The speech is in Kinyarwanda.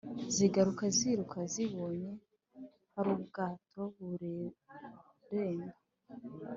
zigaruka ziruka zibonye harubwato bureremba